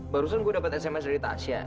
barusan gue dapat sms dari tasya